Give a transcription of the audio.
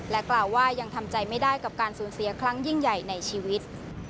กล่าวว่ายังทำใจไม่ได้กับการสูญเสียครั้งยิ่งใหญ่ในชีวิต